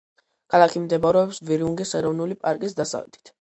ქალაქი მდებარეობს ვირუნგის ეროვნული პარკის დასავლეთით.